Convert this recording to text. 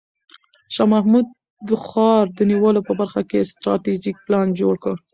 شاه محمود د ښار د نیولو په برخه کې ستراتیژیک پلان جوړ کړ.